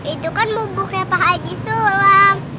itu kan lubuknya pak haji sulam